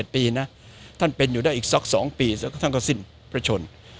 ปีนะท่านเป็นอยู่ได้อีกสัก๒ปีแล้วก็ท่านก็สิ้นประชน